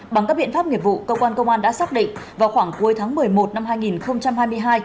bằng các biện pháp nghiệp vụ cơ quan công an đã xác định vào khoảng cuối tháng một mươi một năm hai nghìn hai mươi hai